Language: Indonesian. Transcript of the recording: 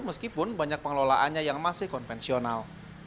meskipun banyak pengelolaannya yang masih konvensional